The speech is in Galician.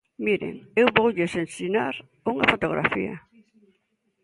Miren, eu voulles ensinar unha fotografía.